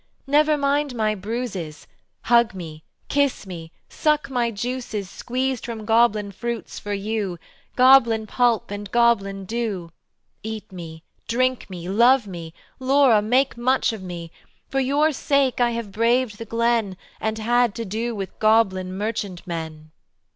Never mind my bruises, Hug me, kiss me, suck my juices Squeezed from goblin fruits for you, Goblin pulp and goblin dew. Eat me, drink me, love me; Laura, make much of me: For your sake I have braved the glen And had to do with goblin merchant men."